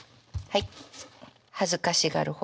はい。